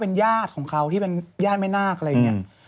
เป็นญาติของเขาที่เป็นญาติแม่นาคอะไรอย่างนี้